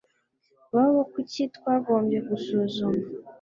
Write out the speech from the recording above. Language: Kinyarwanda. babo Kuki twagombye gusuzuma